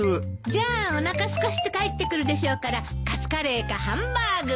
じゃあおなかすかして帰ってくるでしょうからカツカレーかハンバーグ。